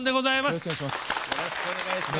よろしくお願いします。